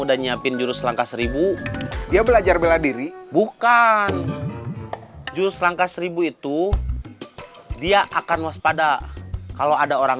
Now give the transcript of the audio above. dia belajar bela diri bukan just langkah seribu itu dia akan waspada kalau ada orang